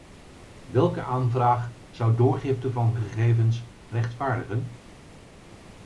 Welke aanvraag zou doorgifte van gegevens rechtvaardigen?